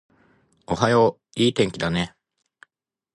おはよう、いい天気だね